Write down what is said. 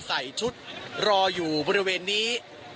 ใส่ชุดรออยู่บริเวณนี้